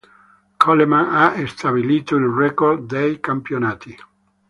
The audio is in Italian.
Coleman ha stabilito il record dei campionati.